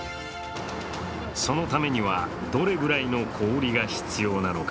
そのためには、どれぐらいの氷が必要なのか。